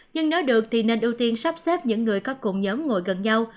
nhưng nếu được thì nên ưu tiên sắp xếp những người có cùng nhóm ngồi gần nhau